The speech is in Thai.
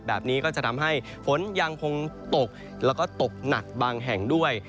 แบบนี้ก็จะทำให้ฝนยังคงตกแล้วก็ตกหนักบางแห่งด้วย